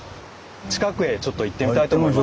近くへちょっと行ってみたいと思います。